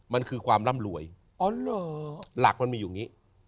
มันคือความร่ำรวยหลักมันมีอยู่อย่างนี้